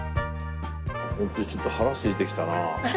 ホントにちょっと腹すいてきたな。